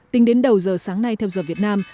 tính đến đầu giờ sáng nay theo giờ việt nam